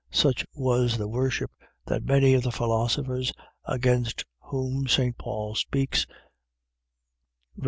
Such was the worship, that many of the philosophers (against whom St. Paul speaks, ver.